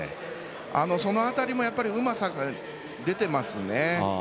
その辺りもうまさが出てますね。